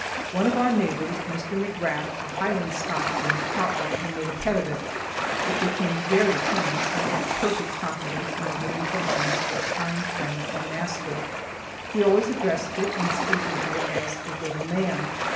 One of our neighbors, Mr. McRath, a Highland Scotchman, caught one and made a pet of it. It became very tame and had perfect confidence in the good intentions of its kind friend and master. He always addressed it in speaking to it as a "little man."